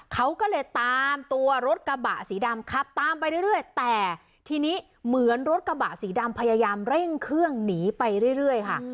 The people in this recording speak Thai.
เขาก็เลยตามตัวรถกระบะสีดำขับตามไปเรื่อยแต่ทีนี้เหมือนรถกระบะสีดำพยายามเร่งเครื่องหนีไปเรื่อยค่ะ